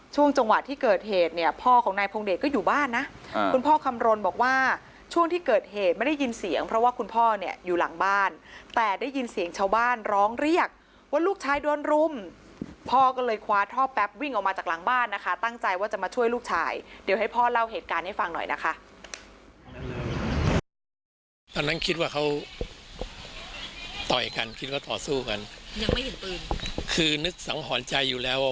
จังหวะที่เกิดเหตุเนี่ยพ่อของนายพงเดชก็อยู่บ้านนะคุณพ่อคำรณบอกว่าช่วงที่เกิดเหตุไม่ได้ยินเสียงเพราะว่าคุณพ่อเนี่ยอยู่หลังบ้านแต่ได้ยินเสียงชาวบ้านร้องเรียกว่าลูกชายโดนรุมพ่อก็เลยคว้าท่อแป๊บวิ่งออกมาจากหลังบ้านนะคะตั้งใจว่าจะมาช่วยลูกชายเดี๋ยวให้พ่อเล่าเหตุการณ์ให้ฟังหน่อยนะคะ